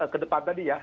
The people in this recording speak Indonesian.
ke depan tadi ya